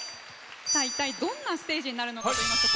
さあいったいどんなステージになるのかといいますと。